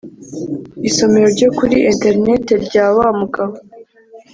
isomero ryo kuri interineti ryawa mugabo